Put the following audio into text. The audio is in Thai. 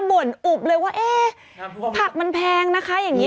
บ่นอุบเลยว่าเอ๊ะผักมันแพงนะคะอย่างนี้